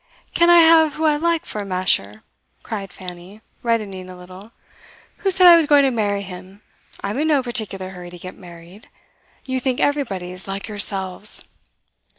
'Can't I have who I like for a masher?' cried Fanny, reddening a little. 'Who said I was going to marry him? I'm in no particular hurry to get married. You think everybody's like yourselves.